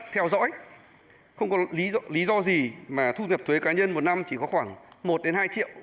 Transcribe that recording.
theo dõi không có lý do gì mà thu nhập thuế cá nhân một năm chỉ có khoảng một hai triệu